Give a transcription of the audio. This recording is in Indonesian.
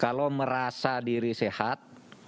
kalau merasa diri sehat